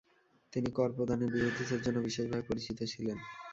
তিনি কর প্রদানের বিরোধিতার জন্য বিশেষভাবে পরিচিত ছিলেন।